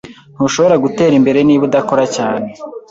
Ntushobora gutera imbere niba udakora cyane.